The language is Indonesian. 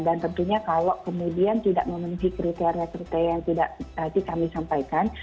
dan tentunya kalau kemudian tidak memenuhi kriteria kriteria yang tadi kami sampaikan